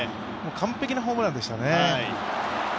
完璧なホームランでしたね。